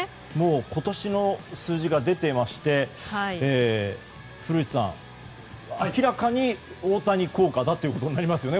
今年の数字が出ていまして古内さん、明らかに大谷効果だということになりますよね。